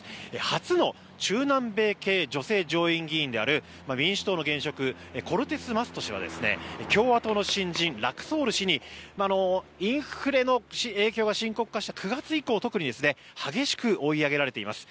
初の中南米系女性上院議員である民主党の現職コルテス・マスト氏は共和党の新人、ラクソール氏にインフレの影響が深刻化した９月以降激しく追い上げられています。